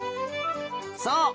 そう！